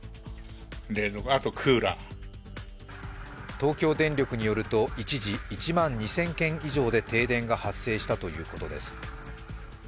東京電力によると一時、１万２０００軒以上で停電が発生したということです。